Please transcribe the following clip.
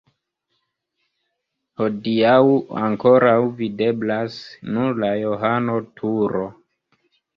Hodiaŭ ankoraŭ videblas nur la Johano-turo.